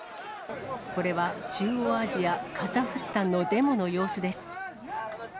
これは、中央アジア・カザフスタンのデモの様子です。